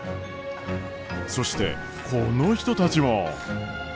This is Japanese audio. そしてこの人たちも。